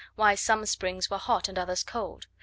why some springs were hot and others cold?